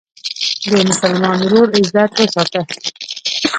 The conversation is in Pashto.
د مسلمان ورور عزت وساته.